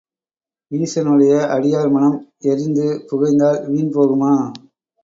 ஈசனுடைய அடியார் மனம் எரிந்து புகைந்தால் வீண் போகுமா?